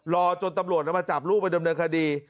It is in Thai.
รอจนตำรวจมาจับลูกไปดำเนินคดี